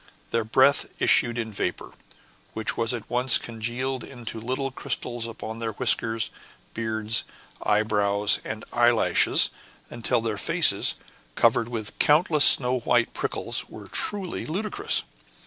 Their breath issued in vapor, which was at once congealed into little crystals upon their whiskers, beards, eyebrows, and eyelashes, until their faces, covered with countless snow white prickles, were truly ludicrous.